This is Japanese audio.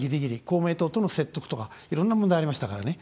公明党との説得とかいろんな問題がありましたからね。